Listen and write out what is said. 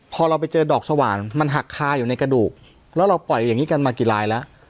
พอเราไปเจอดอกสว่างมันหักคาอยู่ในกระดูกแล้วเราปล่อยอย่างนี้กันมากี่ลายแล้ว